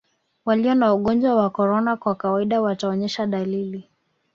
walio na ugonjwa wa korona kwa kawaida wataonyesha dalili